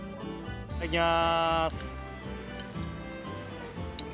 いただきます。